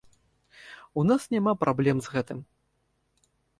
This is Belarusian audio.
У нас няма праблем з гэтым.